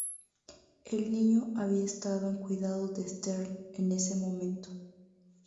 El niño había estado en cuidado de Stern en ese momento.